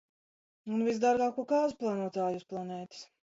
Un visdārgāko kāzu plānotāju uz planētas.